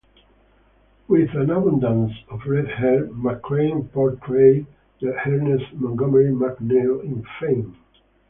With an abundance of red hair, McCrane portrayed the earnest Montgomery MacNeil in "Fame".